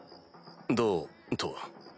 どうとは？